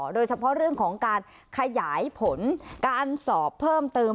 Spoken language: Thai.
โดยเฉพาะเรื่องของการขยายผลการสอบเพิ่มเติม